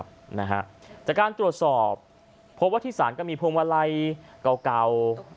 จากการตรวจสอบพบว่าที่สารก็มีพวงมาลัยเก่า